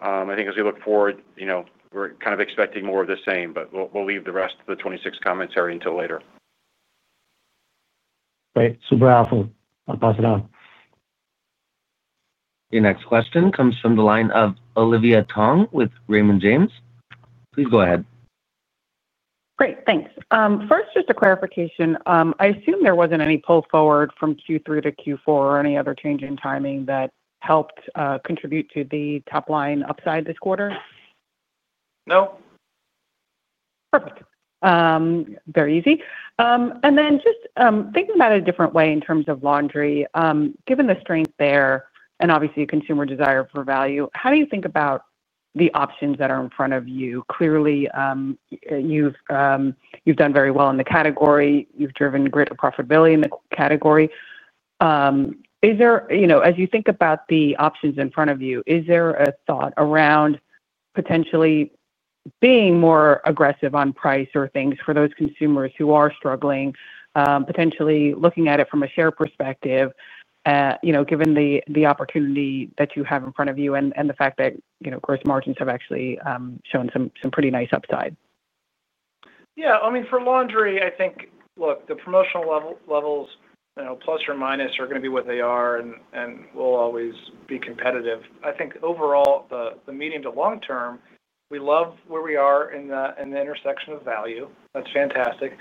Speaker 3: I think as we look forward, we're kind of expecting more of the same, but we'll leave the rest of the 2026 commentary until later.
Speaker 11: Great. Super helpful. I'll pass it on.
Speaker 1: Your next question comes from the line of Olivia Tong with Raymond James. Please go ahead.
Speaker 12: Great. Thanks. First, just a clarification. I assume there wasn't any pull forward from Q3 to Q4 or any other change in timing that helped contribute to the top-line upside this quarter.
Speaker 2: No.
Speaker 12: Perfect. Very easy. Just thinking about it a different way in terms of laundry, given the strength there and obviously consumer desire for value, how do you think about the options that are in front of you? Clearly, you've done very well in the category. You've driven greater profitability in the category. As you think about the options in front of you, is there a thought around potentially being more aggressive on price or things for those consumers who are struggling, potentially looking at it from a share perspective? Given the opportunity that you have in front of you and the fact that, of course, margins have actually shown some pretty nice upside?
Speaker 2: Yeah. I mean, for laundry, I think, look, the promotional levels, plus or minus, are going to be what they are, and we'll always be competitive. I think overall, the medium to long term, we love where we are in the intersection of value. That's fantastic.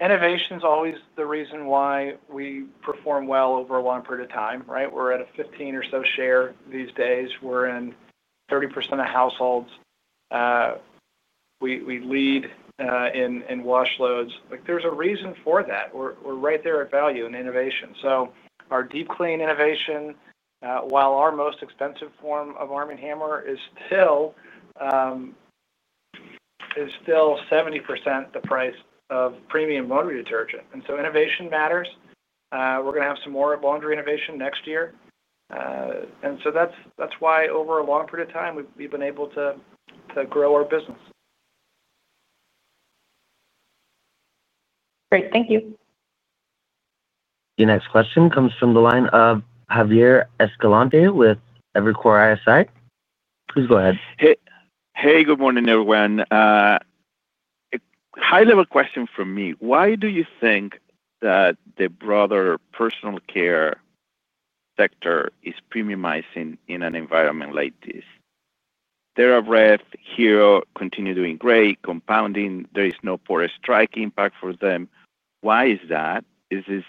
Speaker 2: Innovation is always the reason why we perform well over a long period of time, right? We're at a 15 or so share these days. We're in 30% of households. We lead in wash loads. There's a reason for that. We're right there at value in innovation. Our deep clean innovation, while our most expensive form of Arm & Hammer, is still 70% the price of premium laundry detergent, and innovation matters. We're going to have some more laundry innovation next year. That's why over a long period of time, we've been able to grow our business.
Speaker 12: Great. Thank you.
Speaker 1: Your next question comes from the line of Javier Escalante with Evercore ISI. Please go ahead.
Speaker 13: Hey. Good morning, everyone. High-level question for me. Why do you think that the broader personal care sector is premiumizing in an environment like this? TheraBreath, Hero continue doing great, compounding. There is no port strike impact for them. Why is that? Is this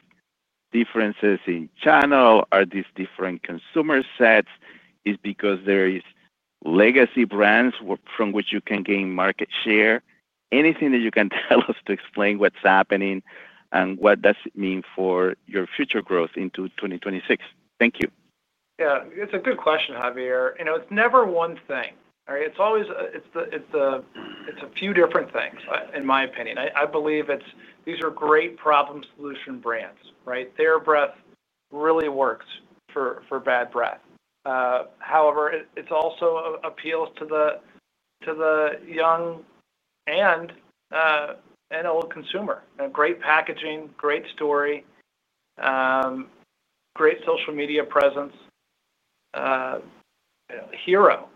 Speaker 13: differences in channel? Are these different consumer sets? Is it because there are legacy brands from which you can gain market share? Anything that you can tell us to explain what's happening and what does it mean for your future growth into 2026? Thank you.
Speaker 2: Yeah. It's a good question, Javier. It's never one thing, right? It's a few different things, in my opinion. I believe these are great problem-solution brands, right? TheraBreath really works for bad breath. However, it also appeals to the young and old consumer. Great packaging, great story, great social media presence. Hero,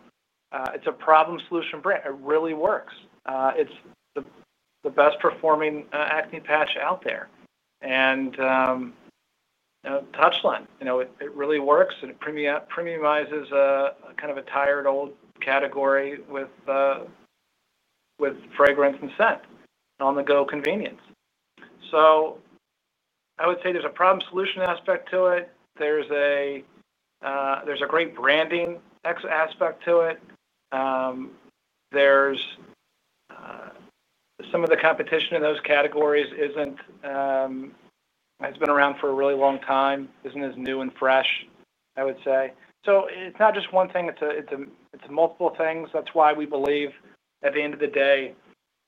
Speaker 2: it's a problem-solution brand. It really works. It's the best-performing acne patch out there. Touchland, it really works. It premiumizes a kind of a tired old category with fragrance and scent, on-the-go convenience. I would say there's a problem-solution aspect to it. There's a great branding aspect to it. Some of the competition in those categories has been around for a really long time, isn't as new and fresh, I would say. It's not just one thing. It's multiple things. That's why we believe, at the end of the day,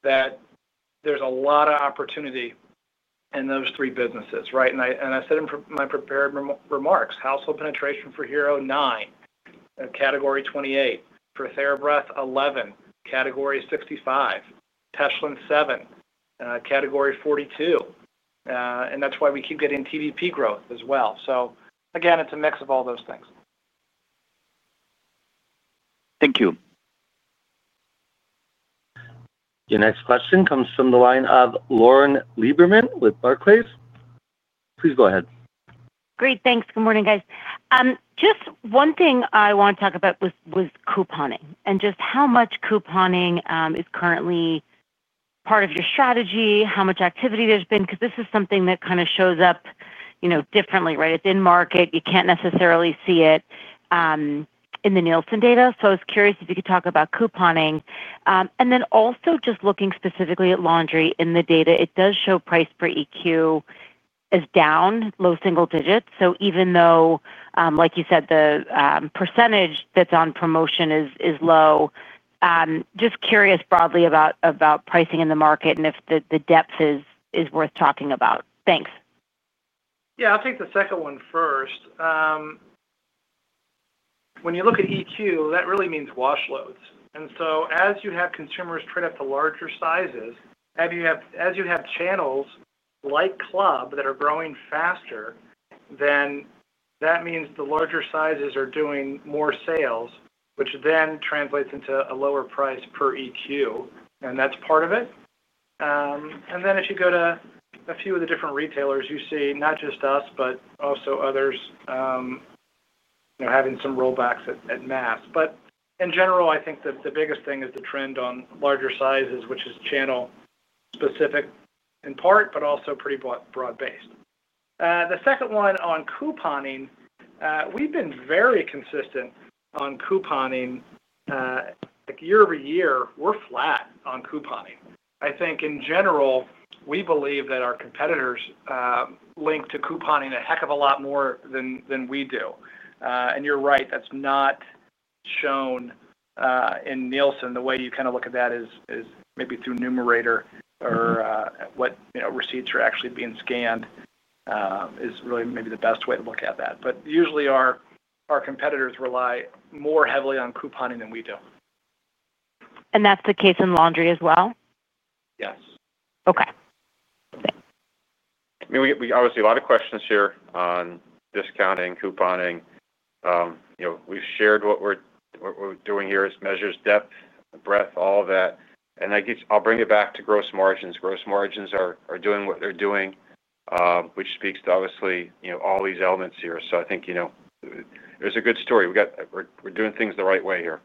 Speaker 2: that there's a lot of opportunity in those three businesses, right? I said in my prepared remarks, household penetration for Hero nine, Category 28; for TheraBreath 11, Category 65, Touchland seven, Category 42. That's why we keep getting TDP growth as well. Again, it's a mix of all those things.
Speaker 13: Thank you.
Speaker 1: Your next question comes from the line of Lauren Lieberman with Barclays. Please go ahead.
Speaker 14: Great. Thanks. Good morning, guys. Just one thing I want to talk about was couponing and just how much couponing is currently part of your strategy, how much activity there's been, because this is something that kind of shows up differently, right? It's in market. You can't necessarily see it in the Nielsen data. I was curious if you could talk about couponing. Also, just looking specifically at laundry in the data, it does show price per EQ is down, low single digits. Even though, like you said, the percentage that's on promotion is low, just curious broadly about pricing in the market and if the depth is worth talking about. Thanks.
Speaker 2: Yeah. I'll take the second one first. When you look at EQ, that really means wash loads. As you have consumers trade up to larger sizes, and as you have channels like club that are growing faster, that means the larger sizes are doing more sales, which then translates into a lower price per EQ. That's part of it. If you go to a few of the different retailers, you see not just us, but also others having some rollbacks at mass. In general, I think the biggest thing is the trend on larger sizes, which is channel-specific in part, but also pretty broad-based. The second one on couponing, we've been very consistent on couponing year-over-year, we're flat on couponing. I think in general, we believe that our competitors link to couponing a heck of a lot more than we do. You're right. That's not shown in Nielsen. The way you kind of look at that is maybe through Numerator or what receipts are actually being scanned, which is really maybe the best way to look at that. Usually, our competitors rely more heavily on couponing than we do.
Speaker 14: Is that the case in laundry as well?
Speaker 2: Yes.
Speaker 14: Okay. Okay.
Speaker 13: We obviously have a lot of questions here on discounting, couponing. We've shared what we're doing here as measures, depth, breadth, all of that. I'll bring it back to gross margins. Gross margins are doing what they're doing, which speaks to, obviously, all these elements here. I think there's a good story. We're doing things the right way here.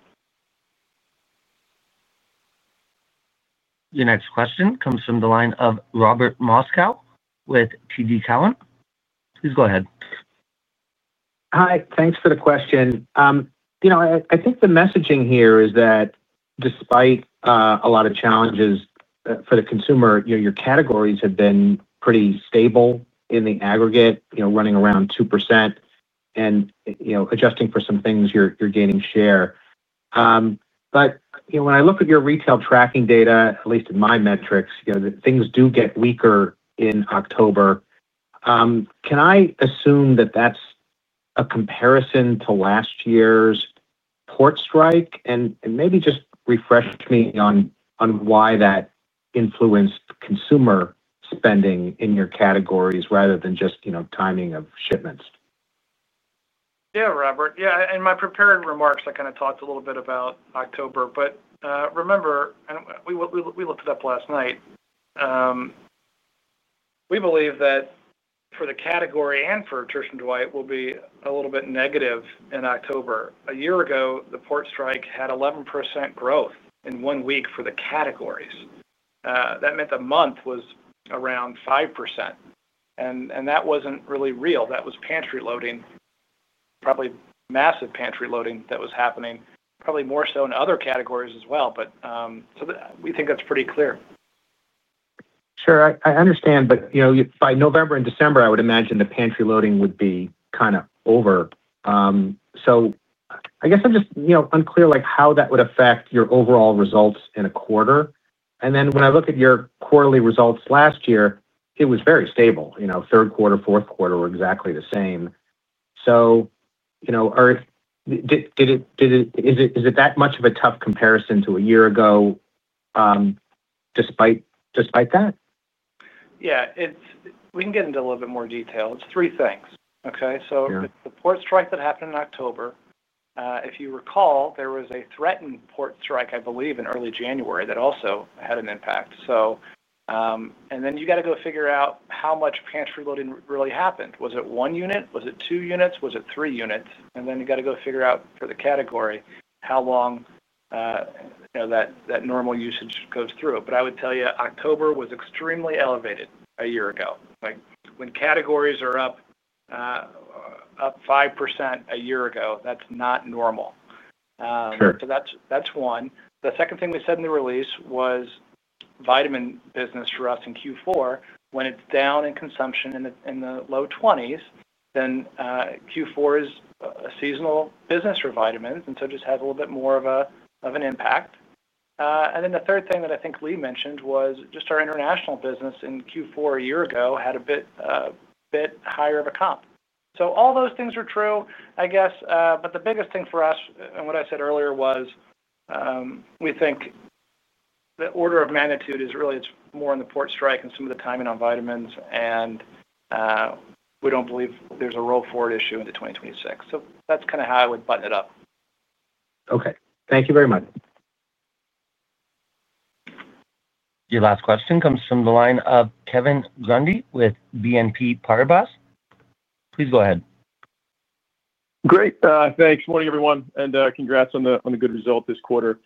Speaker 1: Your next question comes from the line of Robert Moskow with TD Cowen. Please go ahead.
Speaker 15: Hi. Thanks for the question. I think the messaging here is that despite a lot of challenges for the consumer, your categories have been pretty stable in the aggregate, running around 2%. Adjusting for some things, you're gaining share. When I look at your retail tracking data, at least in my metrics, things do get weaker in October. Can I assume that that's a comparison to last year's port strike? Maybe just refresh me on why that influenced consumer spending in your categories rather than just timing of shipments.
Speaker 2: Yeah, Robert. In my prepared remarks, I kind of talked a little bit about October. Remember, we looked it up last night. We believe that for the category and for Church & Dwight, we'll be a little bit negative in October. A year ago, the port strike had 11% growth in one week for the categories. That meant the month was around 5%, and that wasn't really real. That was pantry loading, probably massive pantry loading that was happening, probably more so in other categories as well. We think that's pretty clear.
Speaker 15: I understand. By November and December, I would imagine the pantry loading would be kind of over. I guess I'm just unclear how that would affect your overall results in a quarter. When I look at your quarterly results last year, it was very stable. Third quarter and fourth quarter were exactly the same. Is it that much of a tough comparison to a year ago, despite that?
Speaker 2: Yeah. We can get into a little bit more detail. It's three things, okay? The port strike that happened in October, if you recall, there was a threatened port strike, I believe, in early January that also had an impact. You got to go figure out how much pantry loading really happened. Was it one unit? Was it two units? Was it three units? You got to go figure out for the category how long that normal usage goes through. I would tell you October was extremely elevated a year ago. When categories are up 5% a year ago, that's not normal. That's one. The second thing we said in the release was vitamin business for us in Q4. When it's down in consumption in the low 20%, then Q4 is a seasonal business for vitamins, and so it just has a little bit more of an impact. The third thing that I think Lee McChesney mentioned was just our international business in Q4 a year ago had a bit higher of a comp. All those things are true, I guess. The biggest thing for us, and what I said earlier, was we think the order of magnitude is really more in the port strike and some of the timing on vitamins. We don't believe there's a roll forward issue into 2026. That's kind of how I would button it up.
Speaker 15: Okay, thank you very much.
Speaker 1: Your last question comes from the line of Kevin Grundy with BNP Paribas. Please go ahead.
Speaker 16: Great. Thanks. Morning, everyone. And congrats on the good result this quarter.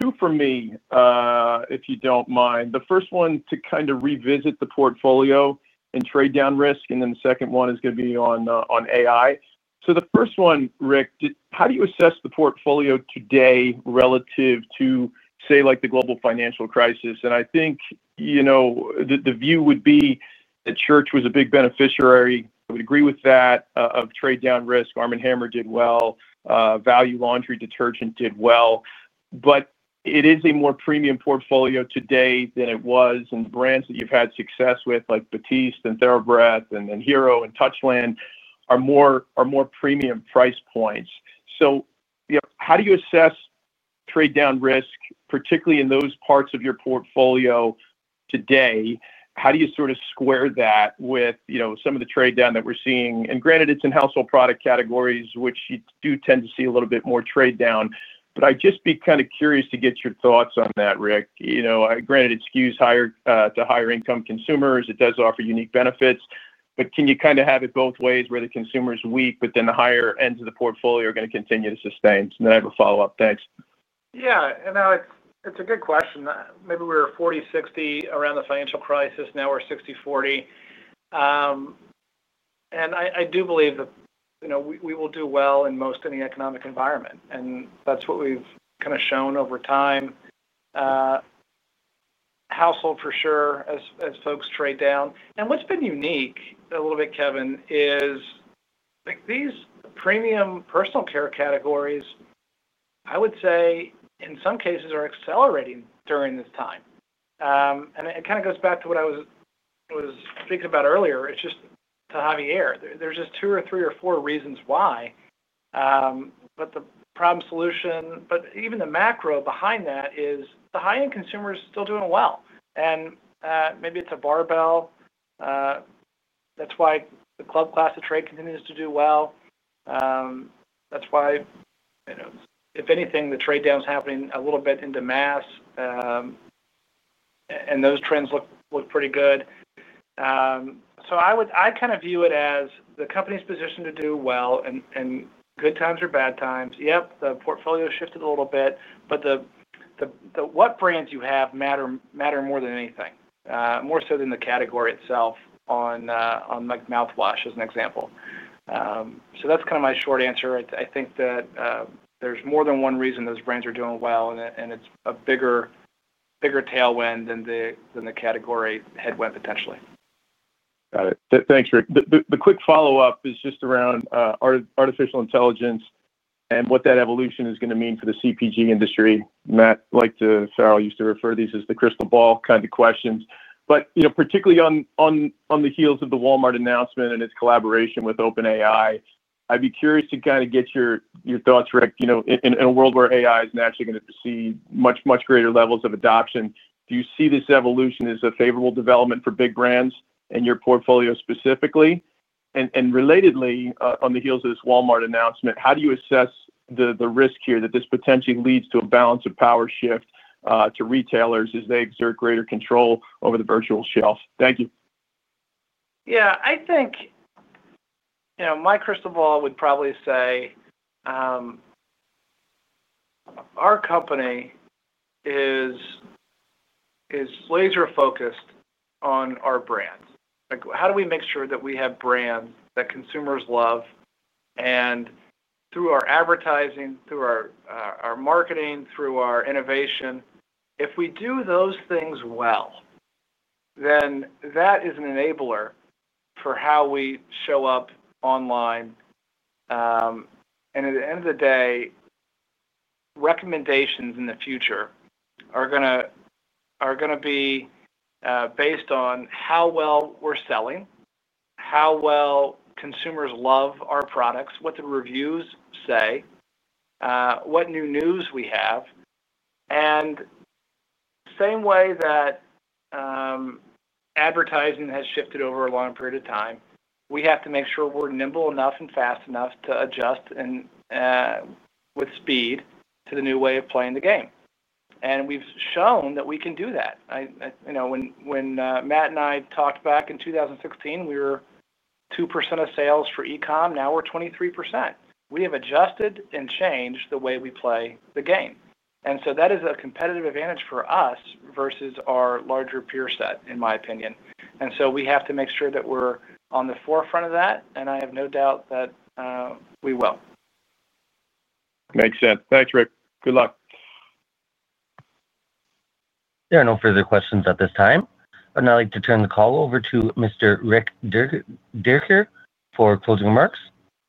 Speaker 16: Two for me, if you don't mind. The first one to kind of revisit the portfolio and trade down risk. The second one is going to be on AI. The first one, Rick, how do you assess the portfolio today relative to, say, the global financial crisis? I think the view would be that Church & Dwight was a big beneficiary. I would agree with that of trade down risk. Arm & Hammer did well. Value Laundry Detergent did well. It is a more premium portfolio today than it was. The brands that you've had success with, like Batiste and TheraBreath and Hero and Touchland, are more premium price points. How do you assess trade down risk, particularly in those parts of your portfolio today? How do you sort of square that with some of the trade down that we're seeing? Granted, it's in household product categories, which you do tend to see a little bit more trade down. I'd just be kind of curious to get your thoughts on that, Rick. Granted, it skews to higher-income consumers. It does offer unique benefits. Can you kind of have it both ways where the consumer is weak, but then the higher ends of the portfolio are going to continue to sustain? I have a follow-up. Thanks.
Speaker 2: Yeah. It's a good question. Maybe we were 40/60 around the financial crisis. Now we're 60/40. I do believe that we will do well in most any economic environment. That's what we've kind of shown over time. Household, for sure, as folks trade down. What's been unique a little bit, Kevin, is these premium personal care categories, I would say, in some cases, are accelerating during this time. It kind of goes back to what I was speaking about earlier. It's just to Javier, there's just two or three or four reasons why. The problem-solution, but even the macro behind that is the high-end consumer is still doing well. Maybe it's a barbell. That's why the club class of trade continues to do well. If anything, the trade down is happening a little bit into mass. Those trends look pretty good. I kind of view it as the company's position to do well in good times or bad times. The portfolio shifted a little bit. What brands you have matter more than anything, more so than the category itself on mouthwash, as an example. That's kind of my short answer. I think that there's more than one reason those brands are doing well. It's a bigger tailwind than the category headwind, potentially.
Speaker 16: Got it. Thanks, Rick. The quick follow-up is just around artificial intelligence and what that evolution is going to mean for the CPG industry. Matt Farrell used to refer to these as the crystal ball kind of questions. Particularly on the heels of the Walmart announcement and its collaboration with OpenAI, I'd be curious to get your thoughts, Rick. In a world where AI is naturally going to see much, much greater levels of adoption, do you see this evolution as a favorable development for big brands and your portfolio specifically? Relatedly, on the heels of this Walmart announcement, how do you assess the risk here that this potentially leads to a balance of power shift to retailers as they exert greater control over the virtual shelf? Thank you.
Speaker 2: I think my crystal ball would probably say our company is laser-focused on our brands. How do we make sure that we have brands that consumers love? Through our advertising, through our marketing, through our innovation, if we do those things well, then that is an enabler for how we show up online. At the end of the day, recommendations in the future are going to be based on how well we're selling, how well consumers love our products, what the reviews say, what new news we have. The same way that advertising has shifted over a long period of time, we have to make sure we're nimble enough and fast enough to adjust with speed to the new way of playing the game. We've shown that we can do that. When Matt and I talked back in 2016, we were 2% of sales for e-comm. Now we're 23%. We have adjusted and changed the way we play the game. That is a competitive advantage for us versus our larger peer set, in my opinion. We have to make sure that we're on the forefront of that. I have no doubt that we will.
Speaker 13: Makes sense. Thanks, Rick. Good luck.
Speaker 1: There are no further questions at this time. I'd now like to turn the call over to Mr. Rick Dierker for closing remarks.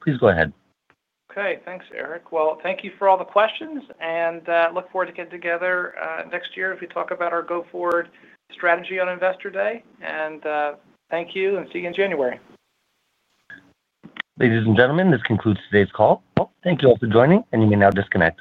Speaker 1: Please go ahead.
Speaker 2: Okay. Thanks, Eric. Thank you for all the questions. I look forward to getting together next year if we talk about our go-forward strategy on Investor Day. Thank you, and see you in January.
Speaker 1: Ladies and gentlemen, this concludes today's call. Thank you all for joining. You may now disconnect.